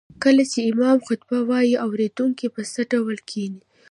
کله چې امام خطبه وايي اوريدونکي به څه ډول کيني